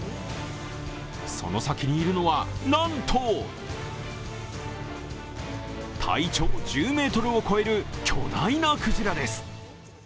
その先にいるのは、なんと体長１０ｍを超える巨大なクジラです。